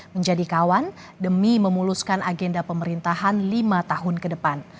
menjadi kawan demi memuluskan agenda pemerintahan lima tahun ke depan